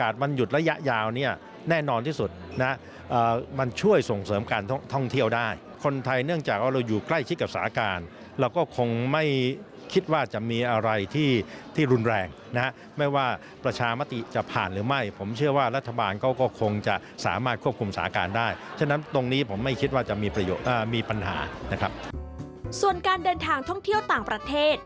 ส่วนการเดินทางท่องเที่ยวต่างประเทศ